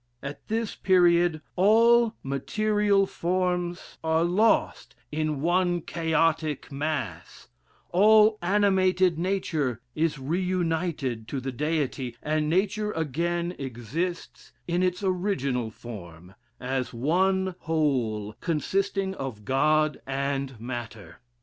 At this period, all material forms are lost in one chaotic mass: all animated nature is re united to the Deity, and nature again exists in its original form, as one whole, consisting of God and matter.